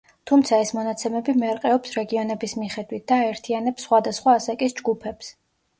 თუმცა ეს მონაცემი მერყეობს რეგიონების მიხედვით და აერთიანებს სხვადასხვა ასაკის ჯგუფებს.